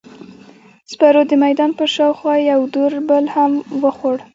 سپرو د میدان پر شاوخوا یو دور بل هم وخوړ.